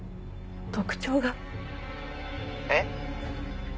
特徴が。え？